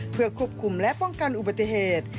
เพื่อควบคุมและป้องกันอุบัติเหตุ